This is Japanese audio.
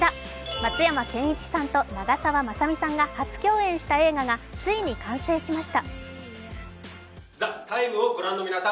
松山ケンイチさんと長澤まさみさんが初共演した映画がついに完成しました。